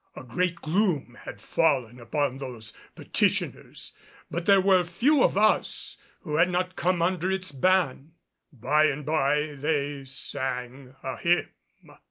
A great gloom had fallen upon those petitioners, but there were few of us who had not come under its ban. By and by they sang a hymn.